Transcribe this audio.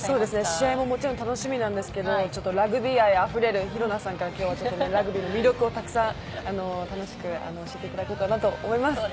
試合ももちろんですけど、ラグビー愛あふれる紘菜さんがきょうは来てるので、ラグビーの魅力をたくさん詳しく教えていただきたいと思います。